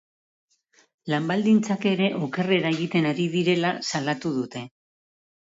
Lan baldintzak ere okerrera egiten ari direla salatu dute.